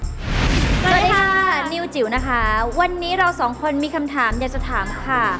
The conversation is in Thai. สวัสดีค่ะนิวจิ๋วนะคะวันนี้เราสองคนมีคำถามอยากจะถามค่ะ